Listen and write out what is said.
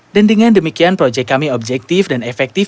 dengan demikian proyek kami objektif dan efektif